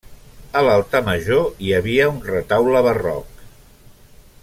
A l'altar major hi havia un retaule barroc.